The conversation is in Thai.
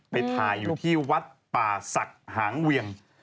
ไปถ่ายอยู่ที่วัดป่าศักดิ์หางเวียง